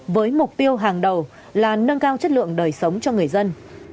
với mục tiêu hàng đầu là nâng cao chất lượng đời sống cho người dân